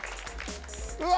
うわ！